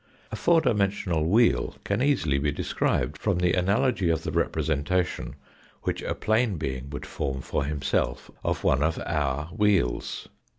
A four dimensional wheel can easily be described from the analogy of the representation which a plane being would form for himself of one of our wheels.